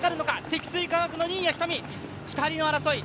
積水化学の新谷仁美、２人の争い。